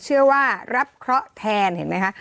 เชื่อว่ารับเคราะห์แทนเห็นมั้ยคะ